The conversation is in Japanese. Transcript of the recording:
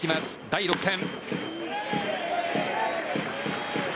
第６戦。